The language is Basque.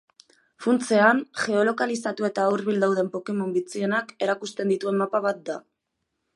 Funtsean, geolokalizatu eta hurbil dauden pokemon bitxienak erakusten dituen mapa bat da.